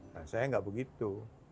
nah saya nggak begitu